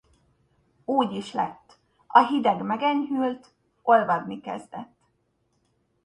Úgy is lett, a hideg megenyhült, olvadni kezdett.